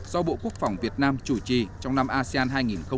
do bộ quốc phòng việt nam chủ trì trong năm asean hai nghìn hai mươi